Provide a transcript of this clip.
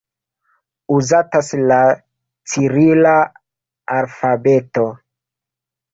Uzatas la cirila alfabeto.